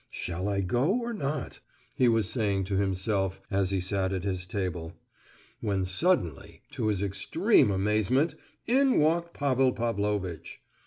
"Shall I go or not?" he was saying to himself, as he sat at his table. When suddenly, to his extreme amazement, in walked Pavel Pavlovitch.